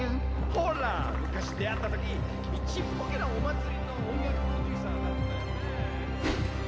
ほら昔出会った時君ちっぽけなお祭りの音楽プロデューサーだったよね。